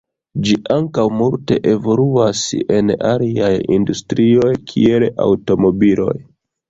Ĝi ankaŭ multe evoluas en aliaj industrioj kiel aŭtomobiloj.